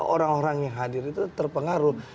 orang orang yang hadir itu terpengaruh